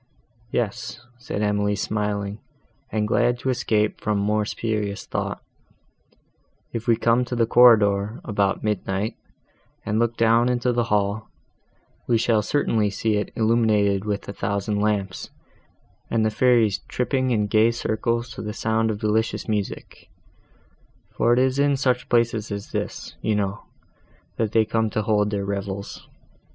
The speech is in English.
"Yes," said Emily, smiling, and glad to escape from more serious thought, "if we come to the corridor, about midnight, and look down into the hall, we shall certainly see it illuminated with a thousand lamps, and the fairies tripping in gay circles to the sound of delicious music; for it is in such places as this, you know, that they come to hold their revels.